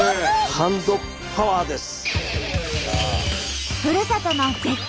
ハンドパワーです！